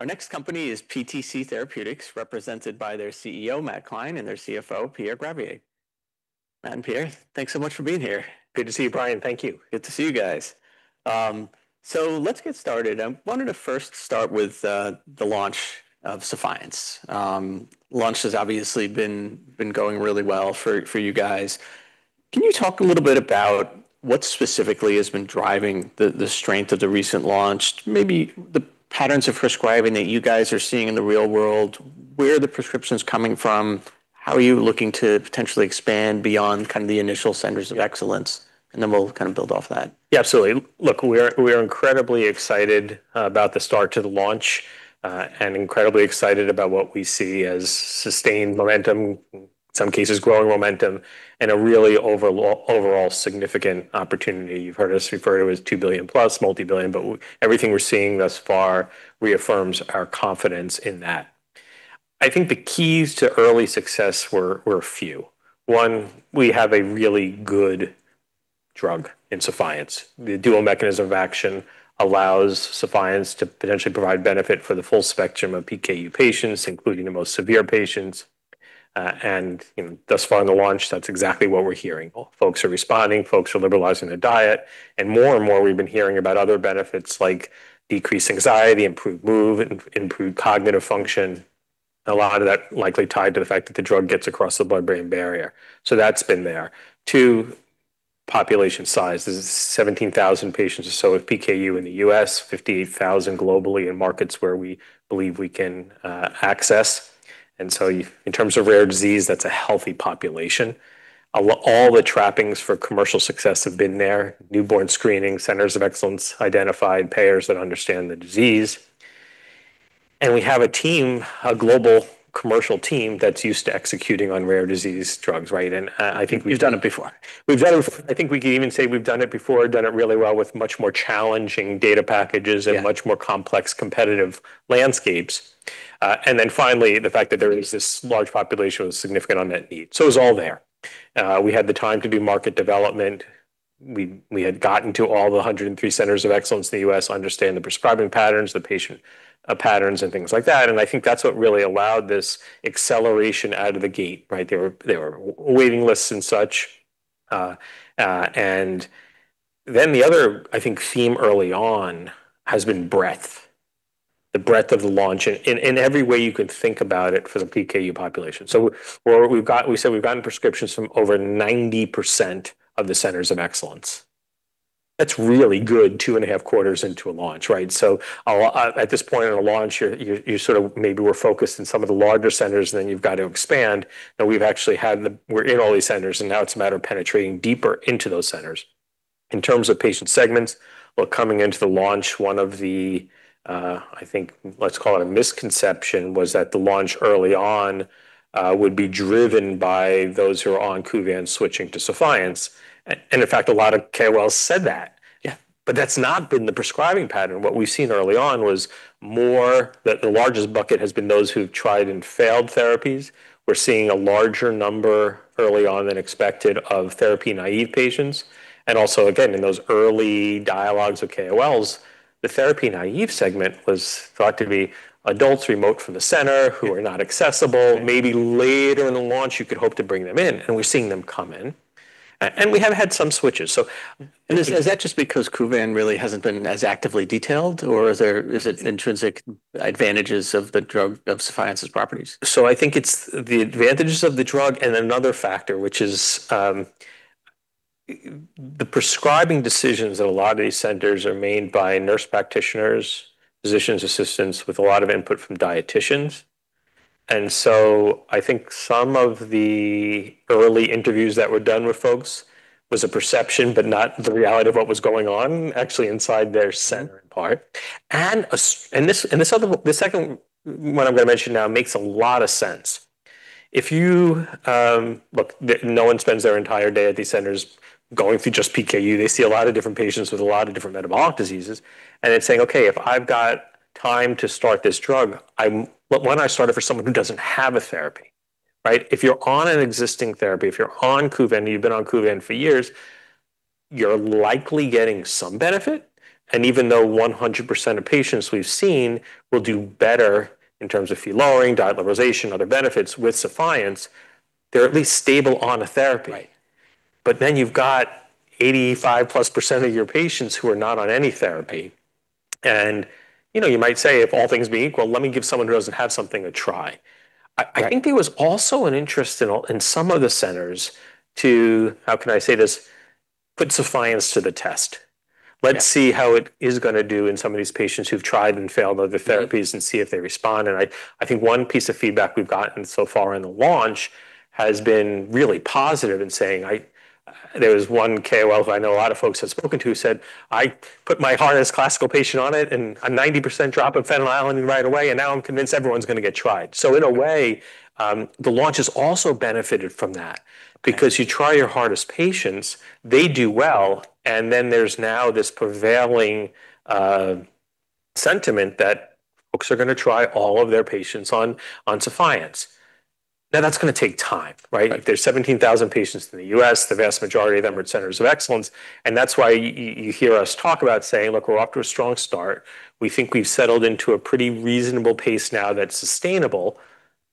Our next company is PTC Therapeutics, represented by their CEO, Matt Klein, and their CFO, Pierre Gravier. Matt and Pierre, thanks so much for being here. Good to see you, Brian. Thank you. Good to see you guys. Let's get started. I wanted to first start with the launch of Sephience. Launch has obviously been going really well for you guys. Can you talk a little bit about what specifically has been driving the strength of the recent launch, maybe the patterns of prescribing that you guys are seeing in the real world, where are the prescriptions coming from, how are you looking to potentially expand beyond the initial centers of excellence? We'll build off that. Yeah, absolutely. Look, we are incredibly excited about the start to the launch and incredibly excited about what we see as sustained momentum, in some cases growing momentum, and a really overall significant opportunity. You've heard us refer to it as $2 billion+, multi-billion, but everything we're seeing thus far reaffirms our confidence in that. I think the keys to early success were a few. One, we have a really good drug in Sephience. The dual mechanism of action allows Sephience to potentially provide benefit for the full spectrum of PKU patients, including the most severe patients. Thus far in the launch, that's exactly what we're hearing. Folks are responding, folks are liberalizing their diet, and more and more we've been hearing about other benefits like decreased anxiety, improved mood, improved cognitive function. A lot of that likely tied to the fact that the drug gets across the blood-brain barrier. That's been there. Two, population size. There's 17,000 patients or so with PKU in the U.S., 58,000 globally in markets where we believe we can access. In terms of rare disease, that's a healthy population. All the trappings for commercial success have been there. Newborn screening, centers of excellence, identified payers that understand the disease. We have a team, a global commercial team, that's used to executing on rare disease drugs, right? You've done it before. We've done it. I think we could even say we've done it before, done it really well with much more challenging data packages. Yeah Much more complex competitive landscapes. Then finally, the fact that there is this large population with significant unmet need. It's all there. We had the time to do market development. We had gotten to all the 103 centers of excellence in the U.S., understand the prescribing patterns, the patient patterns, and things like that, and I think that's what really allowed this acceleration out of the gate, right? There were waiting lists and such. Then the other, I think, theme early on has been breadth, the breadth of the launch in every way you can think about it for the PKU population. We said we've gotten prescriptions from over 90% of the centers of excellence. That's really good two and a half quarters into a launch, right? At this point in a launch, you sort of maybe were focused on some of the larger centers, and then you've got to expand. We're in all these centers, and now it's a matter of penetrating deeper into those centers. In terms of patient segments, well, coming into the launch, one of the, I think let's call it a misconception, was that the launch early on would be driven by those who are on Kuvan switching to Sephience. In fact, a lot of KOLs said that. Yeah. That's not been the prescribing pattern. What we've seen early on was more that the largest bucket has been those who've tried and failed therapies. We're seeing a larger number early on than expected of therapy-naive patients. Also, again, in those early dialogues with KOLs, the therapy-naive segment was thought to be adults remote from the center who are not accessible. Maybe later in the launch, you could hope to bring them in, and we're seeing them come in. We have had some switches. Is that just because Kuvan really hasn't been as actively detailed, or is it intrinsic advantages of the drug, of Sephience's properties? I think it's the advantages of the drug and another factor, which is the prescribing decisions at a lot of these centers are made by nurse practitioners, physicians' assistants, with a lot of input from dieticians. I think some of the early interviews that were done with folks was a perception, but not the reality of what was going on actually inside their center, in part. The second one I'm going to mention now makes a lot of sense. Look, no one spends their entire day at these centers going through just PKU. They see a lot of different patients with a lot of different metabolic diseases, and it's saying, "Okay, if I've got time to start this drug, why don't I start it for someone who doesn't have a therapy?" Right? If you're on an existing therapy, if you're on Kuvan, you've been on Kuvan for years, you're likely getting some benefit, and even though 100% of patients we've seen will do better in terms of Phe lowering, diet liberalization, other benefits with Sephience, they're at least stable on a therapy. Right. You've got 85-plus% of your patients who are not on any therapy. You might say, "If all things be equal, let me give someone who doesn't have something a try. Right. I think there was also an interest in some of the centers to, how can I say this, put Sephience to the test. Yeah. Let's see how it is going to do in some of these patients who've tried and failed other therapies. Yeah I think one piece of feedback we've gotten so far in the launch has been really positive in saying there was one KOL who I know a lot of folks have spoken to who said, "I put my hardest classical patient on it, and a 90% drop in phenylalanine right away, and now I'm convinced everyone's going to get tried." In a way, the launch has also benefited from that. Yeah. You try your hardest patients, they do well, and then there's now this prevailing sentiment that folks are going to try all of their patients on Sephience. That's going to take time, right? Right. There's 17,000 patients in the U.S., the vast majority of them are at centers of excellence, and that's why you hear us talk about saying, look, we're off to a strong start. We think we've settled into a pretty reasonable pace now that's sustainable.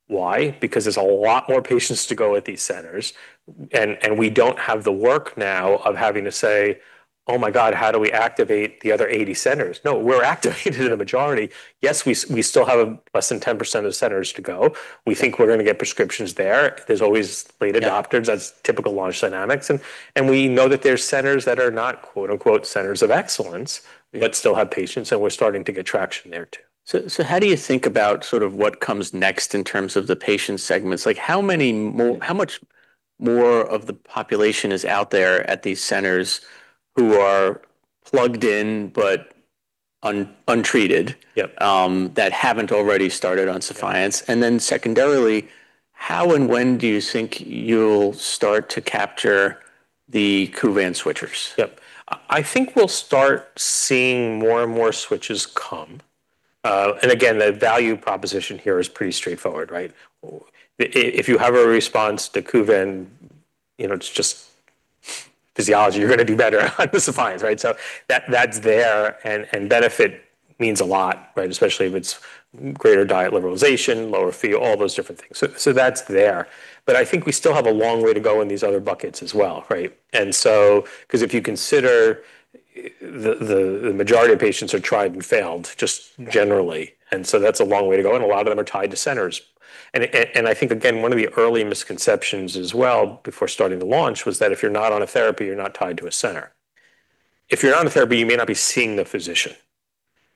Why? Because there's a lot more patients to go at these centers, and we don't have the work now of having to say, "Oh, my God, how do we activate the other 80 centers?" No, we're activated in the majority. Yes, we still have less than 10% of centers to go. We think we're going to get prescriptions there. There's always late adopters. Yeah. That's typical launch dynamics. We know that there's centers that are not centers of excellence that still have patients, and we're starting to get traction there too. How do you think about what comes next in terms of the patient segments? How much more of the population is out there at these centers who are plugged in but untreated? Yep that haven't already started on Sephience? Secondarily, how and when do you think you'll start to capture the Kuvan switchers? Yep. I think we'll start seeing more and more switches come. Again, the value proposition here is pretty straightforward, right? If you have a response to Kuvan, it's just physiology. You're going to do better on the Sephience, right? That's there, and benefit means a lot, right? Especially if it's greater diet liberalization, lower Phe, all those different things. That's there. I think we still have a long way to go in these other buckets as well, right? If you consider the majority of patients have tried and failed, just generally, that's a long way to go, and a lot of them are tied to centers. I think, again, one of the early misconceptions as well before starting the launch was that if you're not on a therapy, you're not tied to a center. If you're on a therapy, you may not be seeing the physician.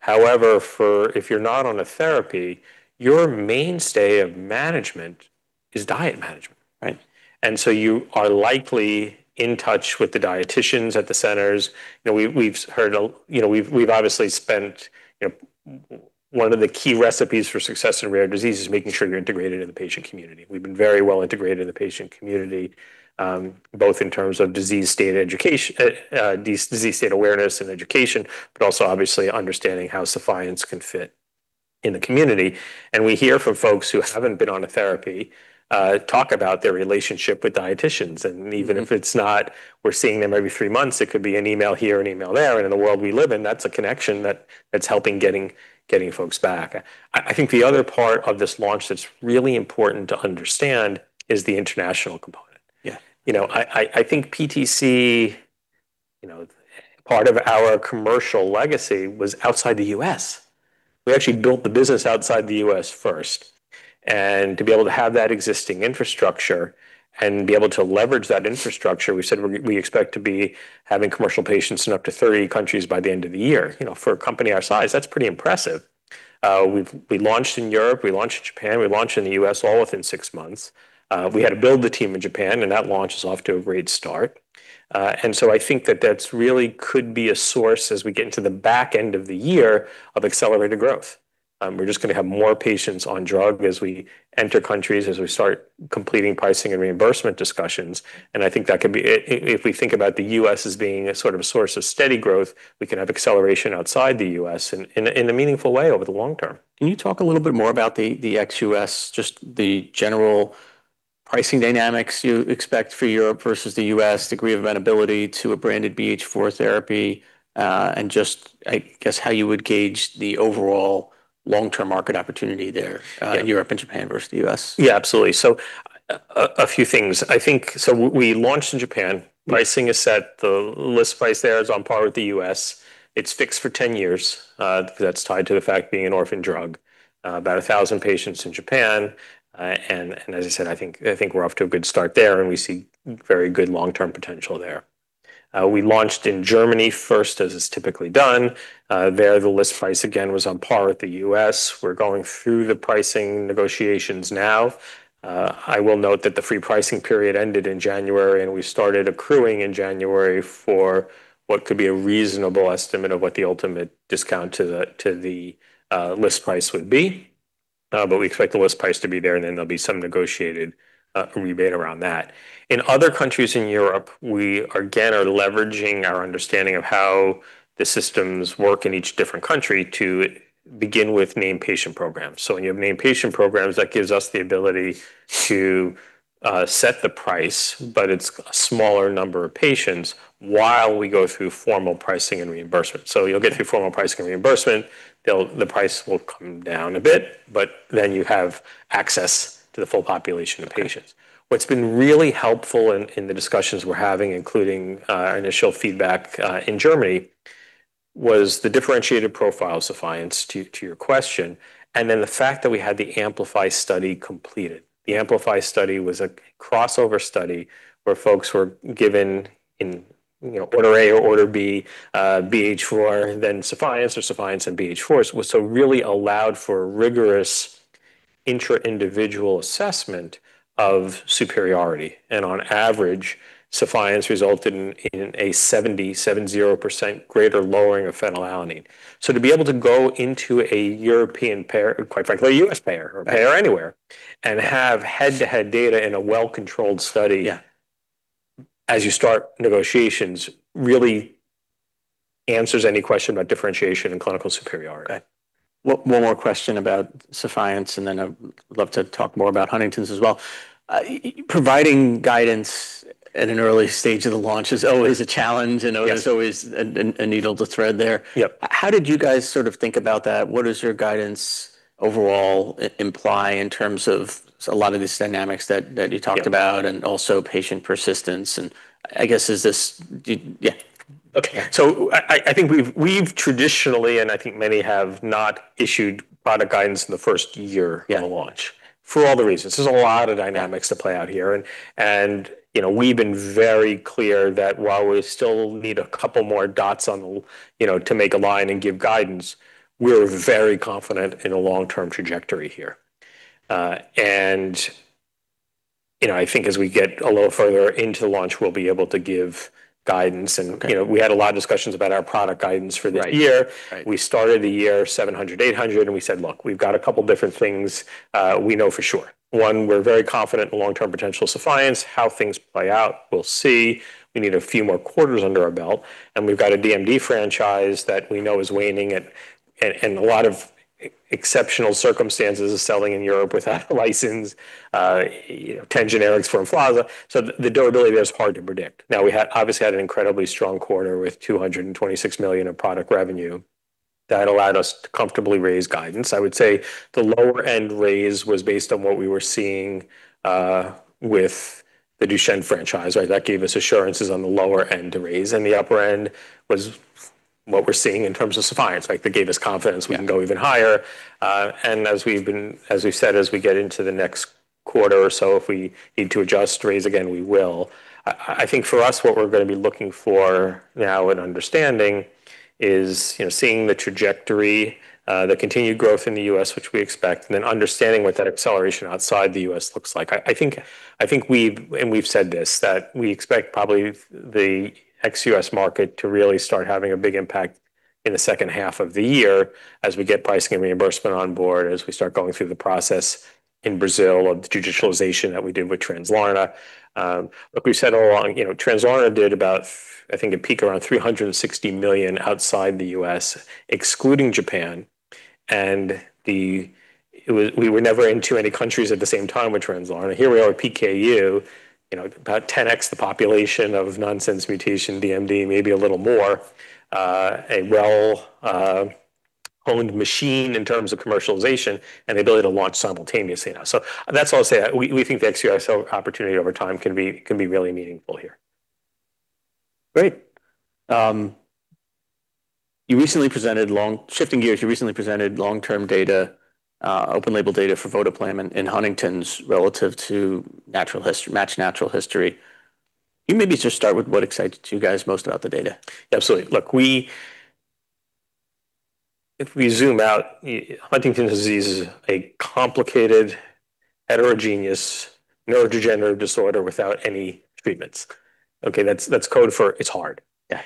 If you're not on a therapy, your mainstay of management is diet management, right? You are likely in touch with the dieticians at the centers. We've obviously spent one of the key recipes for success in rare disease is making sure you're integrated in the patient community. We've been very well integrated in the patient community, both in terms of disease state awareness and education, but also obviously understanding how Sephience can fit in the community. We hear from folks who haven't been on a therapy talk about their relationship with dieticians. Even if it's not we're seeing them every three months, it could be an email here, an email there. In the world we live in, that's a connection that's helping getting folks back. I think the other part of this launch that's really important to understand is the international component. Yeah. I think PTC, part of our commercial legacy was outside the U.S. We actually built the business outside the U.S. first. To be able to have that existing infrastructure and be able to leverage that infrastructure, we said we expect to be having commercial patients in up to 30 countries by the end of the year. For a company our size, that's pretty impressive. We launched in Europe, we launched in Japan, we launched in the U.S. all within six months. We had to build the team in Japan. That launch is off to a great start. I think that really could be a source as we get into the back end of the year of accelerated growth. We're just going to have more patients on drug as we enter countries, as we start completing pricing and reimbursement discussions. If we think about the U.S. as being a sort of a source of steady growth, we can have acceleration outside the U.S. in a meaningful way over the long term. Can you talk a little bit more about the ex-U.S., just the general pricing dynamics you expect for Europe versus the U.S. degree of eventability to a branded BH4 therapy? Just, I guess, how you would gauge the overall long-term market opportunity there? Yeah Europe and Japan versus the U.S. Yeah, absolutely. A few things, I think. We launched in Japan. Pricing is set. The list price there is on par with the U.S. It's fixed for 10 years. That's tied to the fact being an orphan drug. About 1,000 patients in Japan. As I said, I think we're off to a good start there, and we see very good long-term potential there. We launched in Germany first, as is typically done. There, the list price again was on par with the U.S. We're going through the pricing negotiations now. I will note that the free pricing period ended in January, and we started accruing in January for what could be a reasonable estimate of what the ultimate discount to the list price would be. We expect the list price to be there, and then there'll be some negotiated rebate around that. In other countries in Europe, we again are leveraging our understanding of how the systems work in each different country to begin with named patient programs. When you have named patient programs, that gives us the ability to set the price, but it's a smaller number of patients while we go through formal pricing and reimbursement. You'll get through formal pricing and reimbursement. The price will come down a bit, you have access to the full population of patients. What's been really helpful in the discussions we're having, including our initial feedback in Germany, was the differentiated profile Sephience to your question, the fact that we had the AMPLIFY study completed. The AMPLIFY study was a crossover study where folks were given in Order A or Order B, BH4, Sephience or Sephience and BH4. Really allowed for rigorous intra-individual assessment of superiority. On average, Sephience resulted in a 70% greater lowering of phenylalanine. To be able to go into a European payer, quite frankly, a U.S. payer or payer anywhere, and have head-to-head data in a well-controlled study. Yeah As you start negotiations, really answers any question about differentiation and clinical superiority. Okay. One more question about Sephience and then I would love to talk more about Huntington's as well. Providing guidance at an early stage of the launch is always a challenge. Yes Know there's always a needle to thread there. Yep. How did you guys think about that? What does your guidance overall imply in terms of a lot of these dynamics that you talked about and also patient persistence, and I guess? Okay. I think we've traditionally, and I think many have not issued product guidance in the first year. Yeah on launch. For all the reasons. There's a lot of dynamics to play out here, and we've been very clear that while we still need a couple more dots to make a line and give guidance, we're very confident in a long-term trajectory here. I think as we get a little further into launch, we'll be able to give guidance. Okay we had a lot of discussions about our product guidance for this year. Right. We started the year $700, $800, and we said, "Look, we've got a couple different things we know for sure." One, we're very confident in long-term potential Sephience how things play out, we'll see. We need a few more quarters under our belt, and we've got a DMD franchise that we know is waning and a lot of exceptional circumstances of selling in Europe without a license, 10 generics from Emflaza. The durability there is hard to predict. Now, we obviously had an incredibly strong quarter with $226 million in product revenue. That allowed us to comfortably raise guidance. I would say the lower end raise was based on what we were seeing with the Duchenne franchise. That gave us assurances on the lower end to raise, and the upper end was what we're seeing in terms of Sephience, that gave us confidence. Yeah we can go even higher. As we've said, as we get into the next quarter or so, if we need to adjust, raise again, we will. I think for us, what we're going to be looking for now and understanding is seeing the trajectory, the continued growth in the U.S., which we expect, and then understanding what that acceleration outside the U.S. looks like. I think we've said this, that we expect probably the ex-U.S. market to really start having a big impact in the second half of the year as we get pricing and reimbursement on board, as we start going through the process in Brazil of the digitalization that we did with Translarna. Look, we've said all along, Translarna did about, I think, a peak around $360 million outside the U.S., excluding Japan. We were never into any countries at the same time with Translarna. Here we are with PKU, about 10x the population of nonsense mutation DMD, maybe a little more, a well-owned machine in terms of commercialization and the ability to launch simultaneously now. That's why I'll say that. We think the ex-US opportunity over time can be really meaningful here. Great. Shifting gears, you recently presented long-term data, open label data for votoplam in Huntington's relative to match natural history. You maybe just start with what excites you guys most about the data. Absolutely. If we zoom out, Huntington's disease is a complicated heterogeneous neurodegenerative disorder without any treatments. Okay, that's code for it's hard. Yeah.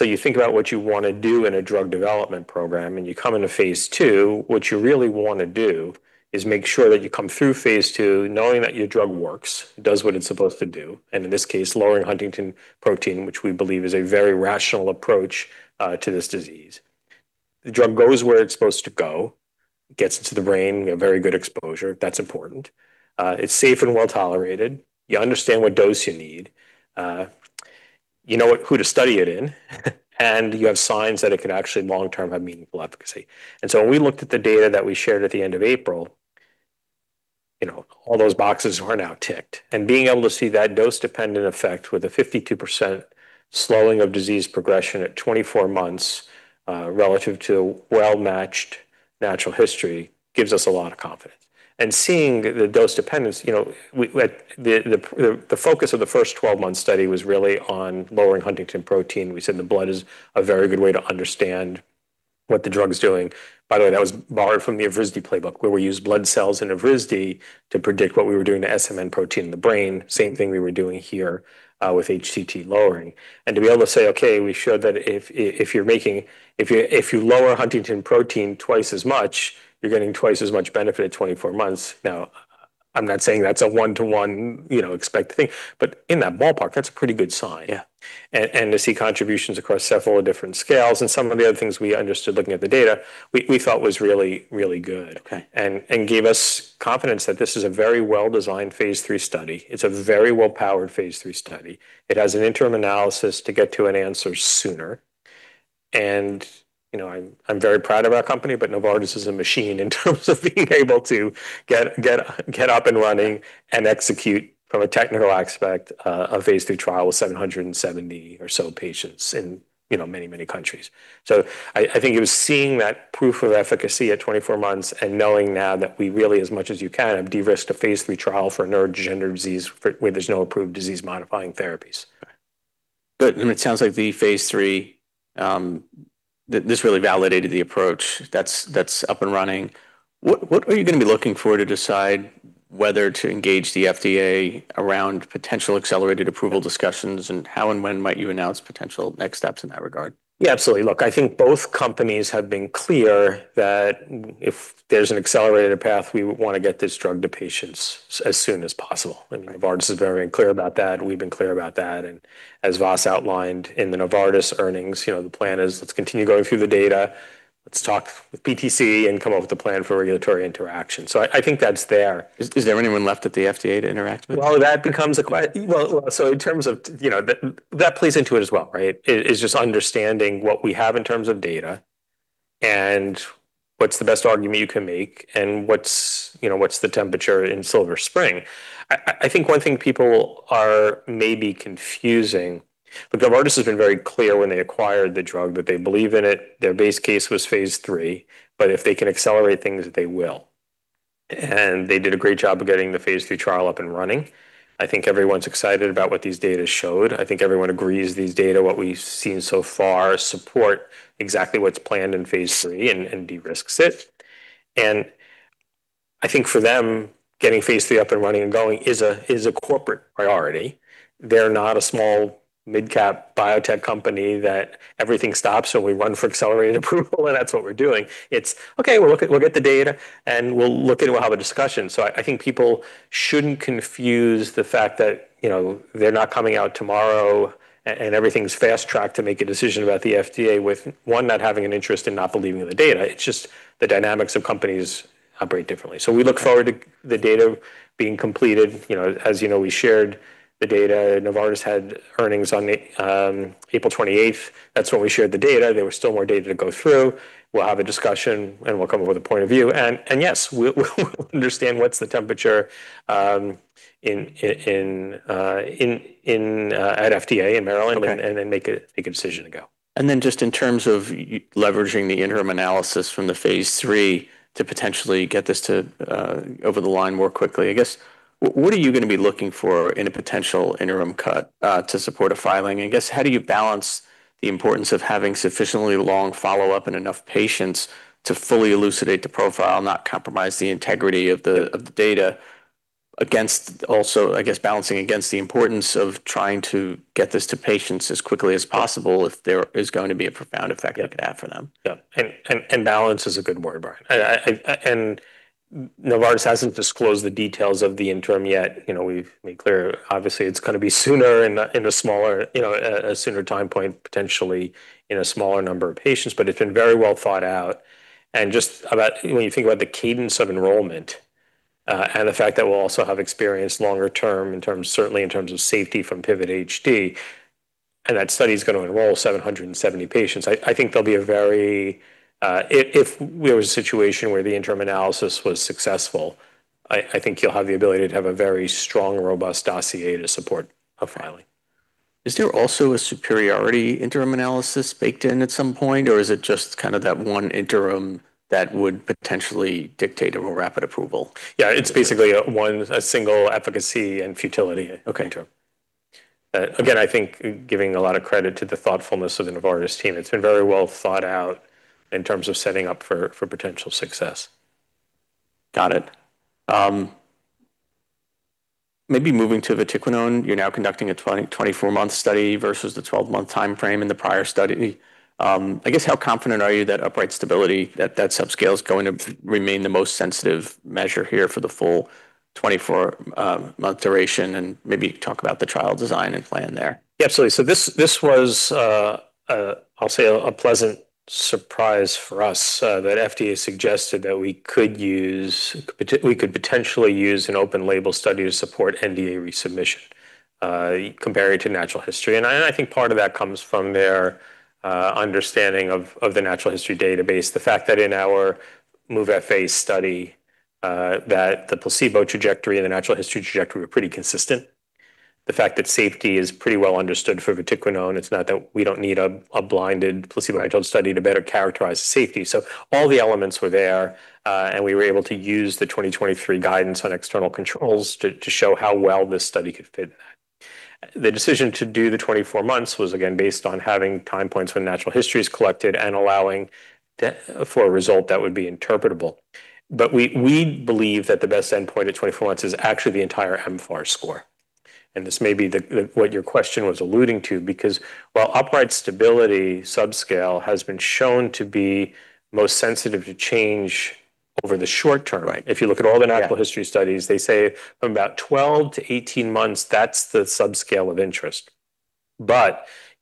You think about what you want to do in a drug development program, and you come into phase II, what you really want to do is make sure that you come through phase II knowing that your drug works, does what it's supposed to do, and in this case, lowering huntingtin protein, which we believe is a very rational approach to this disease. The drug goes where it's supposed to go, gets into the brain, a very good exposure. That's important. It's safe and well-tolerated. You understand what dose you need. You know who to study it in, and you have signs that it could actually long-term have meaningful efficacy. When we looked at the data that we shared at the end of April, all those boxes are now ticked. Being able to see that dose-dependent effect with a 52% slowing of disease progression at 24 months, relative to well-matched natural history gives us a lot of confidence. Seeing the dose dependence, the focus of the first 12-month study was really on lowering huntingtin protein. We said the blood is a very good way to understand what the drug's doing. By the way, that was borrowed from the Evrysdi playbook, where we used blood cells in Evrysdi to predict what we were doing to SMN protein in the brain. Same thing we were doing here, with HTT lowering. To be able to say, "Okay, we showed that if you lower huntingtin protein twice as much, you're getting twice as much benefit at 24 months." Now, I'm not saying that's a one-to-one expected thing, but in that ballpark, that's a pretty good sign. Yeah. To see contributions across several different scales and some of the other things we understood looking at the data, we thought was really, really good. Okay. Gave us confidence that this is a very well-designed phase III study. It's a very well-powered phase III study. It has an interim analysis to get to an answer sooner. I'm very proud of our company, but Novartis is a machine in terms of being able to get up and running and execute from a technical aspect, a phase III trial with 770 or so patients in many, many countries. I think it was seeing that proof of efficacy at 24 months and knowing now that we really as much as you can have de-risked a phase III trial for neurodegenerative disease where there's no approved disease-modifying therapies. Right. It sounds like the phase III, this really validated the approach that's up and running. What are you going to be looking for to decide whether to engage the FDA around potential accelerated approval discussions, and how and when might you announce potential next steps in that regard? Yeah, absolutely. Look, I think both companies have been clear that if there's an accelerated path, we want to get this drug to patients as soon as possible. Novartis is very clear about that. We've been clear about that. As Vas outlined in the Novartis earnings, the plan is let's continue going through the data, let's talk with PTC, and come up with a plan for regulatory interaction. I think that's there. Is there anyone left at the FDA to interact with? Well, that plays into it as well, right? It is just understanding what we have in terms of data, and what's the best argument you can make, and what's the temperature in Silver Spring? I think one thing people are maybe confusing, look, Novartis has been very clear when they acquired the drug that they believe in it. Their base case was phase III, but if they can accelerate things, they will. They did a great job of getting the phase III trial up and running. I think everyone's excited about what these data showed. I think everyone agrees these data, what we've seen so far, support exactly what's planned in phase III and de-risks it. I think for them, getting phase III up and running and going is a corporate priority. They're not a small mid-cap biotech company that everything stops, so we run for accelerated approval, and that's what we're doing. It's "Okay, we'll get the data, and we'll have a discussion." I think people shouldn't confuse the fact that they're not coming out tomorrow and everything's fast tracked to make a decision about the FDA with one not having an interest in not believing in the data. It's just the dynamics of companies operate differently. We look forward to the data being completed. As you know, we shared the data. Novartis had earnings on April 28th. That's when we shared the data. There was still more data to go through. We'll have a discussion, and we'll come up with a point of view. Yes, we'll understand what's the temperature at FDA in Maryland and then make a decision to go. Then just in terms of leveraging the interim analysis from the phase III to potentially get this over the line more quickly, I guess, what are you going to be looking for in a potential interim cut to support a filing? I guess how do you balance the importance of having sufficiently long follow-up and enough patients to fully elucidate the profile, not compromise the integrity of the data against also, I guess, balancing against the importance of trying to get this to patients as quickly as possible if there is going to be a profound effective path for them? Yeah. Balance is a good word, Brian. Novartis hasn't disclosed the details of the interim yet. We've made clear, obviously it's going to be sooner, at a sooner time point, potentially in a smaller number of patients, but it's been very well thought out. Just when you think about the cadence of enrollment and the fact that we'll also have experienced longer term certainly in terms of safety from PIVOT-HD, that study is going to enroll 770 patients. If there was a situation where the interim analysis was successful, I think you'll have the ability to have a very strong, robust dossier to support a filing. Is there also a superiority interim analysis baked in at some point, or is it just that one interim that would potentially dictate a rapid approval? Yeah. It's basically a single efficacy and futility interim. Okay. Again, I think giving a lot of credit to the thoughtfulness of the Novartis team, it's been very well thought out in terms of setting up for potential success. Got it. Maybe moving to vatiquinone. You're now conducting a 24-month study versus the 12-month timeframe in the prior study. I guess how confident are you that upright stability, that subscale is going to remain the most sensitive measure here for the full 24-month duration? Maybe talk about the trial design and plan there. Yeah, absolutely. This was, I'll say, a pleasant surprise for us that FDA suggested that we could potentially use an open label study to support NDA resubmission, compared to natural history. I think part of that comes from their understanding of the natural history database. The fact that in our MOVE-FA study that the placebo trajectory and the natural history trajectory were pretty consistent. The fact that safety is pretty well understood for vatiquinone. It's not that we don't need a blinded placebo-controlled study to better characterize safety. All the elements were there, and we were able to use the 2023 guidance on external controls to show how well this study could fit that. The decision to do the 24 months was, again, based on having time points when natural history is collected and allowing for a result that would be interpretable. We believe that the best endpoint at 24 months is actually the entire mFAS score, and this may be what your question was alluding to because while upright stability subscale has been shown to be most sensitive to change over the short term. Right if you look at all the natural history studies, they say from about 12 to 18 months, that's the subscale of interest.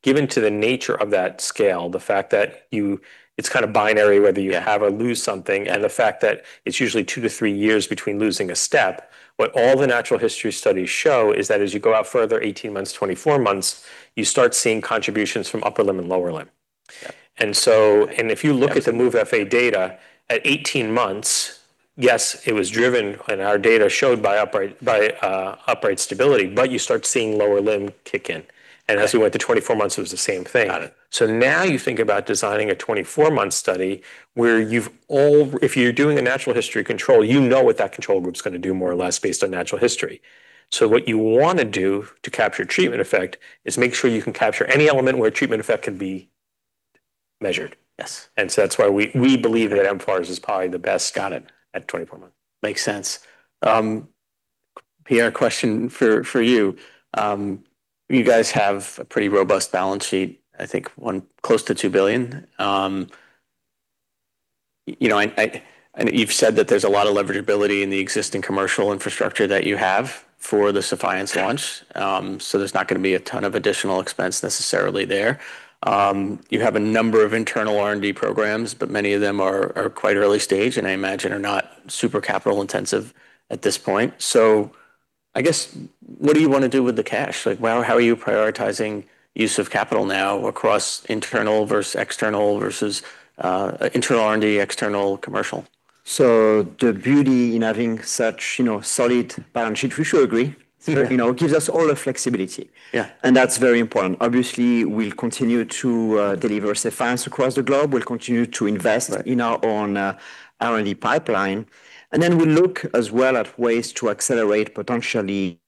Given to the nature of that scale, the fact that it's binary whether you have or lose something, and the fact that it's usually two to three years between losing a step, what all the natural history studies show is that as you go out further 18 months, 24 months, you start seeing contributions from upper limb and lower limb. Yeah. If you look at the MOVE-FA data, at 18 months, yes, it was driven, and our data showed by upright stability, but you start seeing lower limb kick in. As we went to 24 months, it was the same thing. Got it. Now you think about designing a 24-month study where if you're doing a natural history control, you know what that control group is going to do more or less based on natural history. What you want to do to capture treatment effect is make sure you can capture any element where a treatment effect can be measured. Yes That's why we believe that Emflaza is probably the best got it at 24 months. Makes sense. Pierre, question for you. You guys have a pretty robust balance sheet, I think close to $2 billion. You've said that there's a lot of leveragability in the existing commercial infrastructure that you have for the Sephience launch. There's not going to be a ton of additional expense necessarily there. You have a number of internal R&D programs, many of them are quite early stage and I imagine are not super capital intensive at this point. I guess, what do you want to do with the cash? How are you prioritizing use of capital now across internal versus external versus internal R&D, external commercial? The beauty in having such solid balance sheet, we should agree. Sure gives us all the flexibility. Yeah. That's very important. Obviously, we'll continue to deliver Sephience across the globe. We'll continue to invest in our own R&D pipeline, and then we'll look as well at ways to accelerate potentially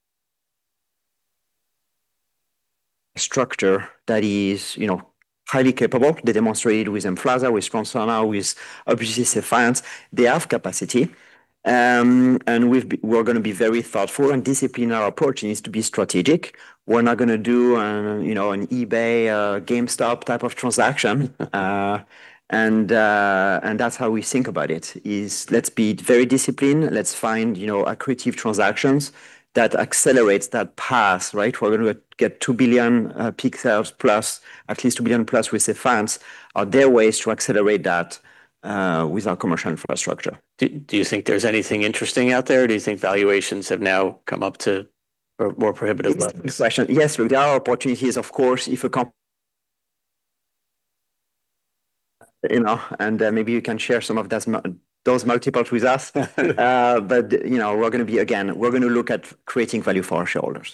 structure that is highly capable. They demonstrated with Emflaza, with Translarna, with, obviously, Sephience. They have capacity. We're going to be very thoughtful and disciplined. Our approach needs to be strategic. We're not going to do an eBay, a GameStop type of transaction. That's how we think about it is let's be very disciplined. Let's find accretive transactions that accelerates that path, right? We're going to get $2 billion peak sales plus at least $2 billion+ with the funds. Are there ways to accelerate that with our commercial infrastructure? Do you think there's anything interesting out there? Do you think valuations have now come up to more prohibitive levels? Good question. Yes, there are opportunities, of course. Maybe you can share some of those multiples with us. Again, we're going to look at creating value for our shareholders.